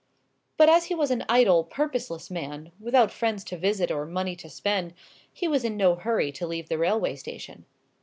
But as he was an idle, purposeless man, without friends to visit or money to spend, he was in no hurry to leave the railway station.